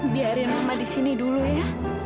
biarin mama disini dulu ya